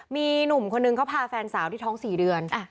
มีหนุ่มคนนึงเขาพาแฟนสาวที่ท้อง๔เดือน